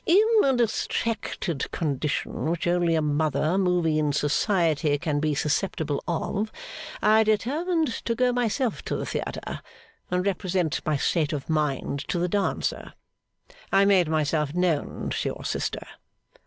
'In a distracted condition, which only a mother moving in Society can be susceptible of, I determined to go myself to the theatre, and represent my state of mind to the dancer. I made myself known to your sister.